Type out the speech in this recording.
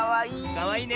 かわいいね。